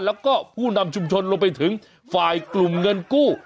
แล้วก็ผู้นำชุมชนรวมไปถึงฝ่ายกลุ่มเงินกู้